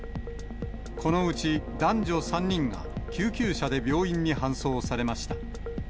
このうち、男女３人が救急車で病院に搬送されました。